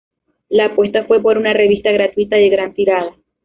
La apuesta fue por una revista gratuita y de gran tirada.